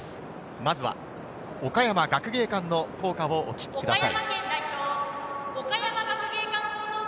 まずは岡山学芸館の校歌をお聞きください。